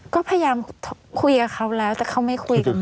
ก็พยายามคุยกับเขาแล้วแต่เขาไม่คุยกัน